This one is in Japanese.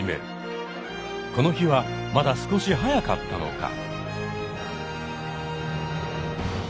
この日はまだ少し早かったのか。